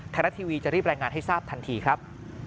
แถวทีวีจะรีบแรงงานให้ทราบทันทีครับ